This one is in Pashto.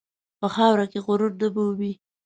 په خاوره کې غرور نه مومي.